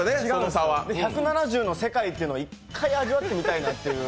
１７０の世界というのを一回味わってみたいなと。